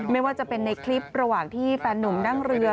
ไม่ว่าจะเป็นในคลิประหว่างที่แฟนหนุ่มนั่งเรือ